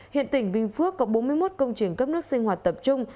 hiện tỉnh bình phước có bốn mươi một công trình cấp nước sinh hoạt tập trung